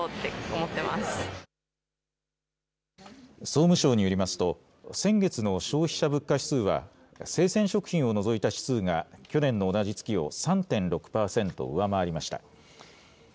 総務省によりますと、先月の消費者物価指数は、生鮮食品を除いた指数が去年の同じ月を３．６％上回りました。